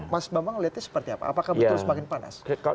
mas bambang melihatnya seperti apa apakah betul semakin panas